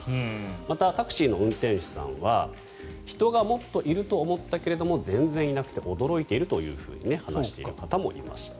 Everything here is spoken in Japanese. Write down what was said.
また、タクシーの運転手さんは人がもっといると思ったけど全然いなくて驚いていると話している方もいました。